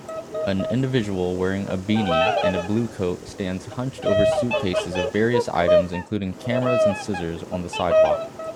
An individual wearing a beanie and a blue coat stands hunched over suitcases of various items including cameras and scissors on the sidewalk